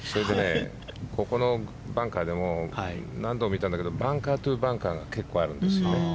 ここのバンカーでも何度も見たんだけどバンカートゥーバンカーが結構あるんですよね。